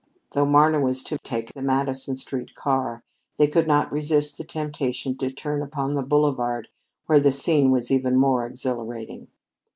Though Marna was to take the Madison Street car, they could not resist the temptation to turn upon the boulevard where the scene was even more exhilarating.